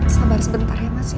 sabar sebentar ya mas ya